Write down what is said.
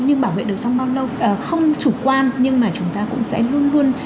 nhưng bảo vệ được trong bao lâu không chủ quan nhưng mà chúng ta cũng sẽ luôn luôn